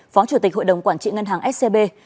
phó chủ tịch hội đồng quản trị ngân hàng scb